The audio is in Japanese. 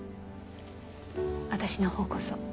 私のほうこそ。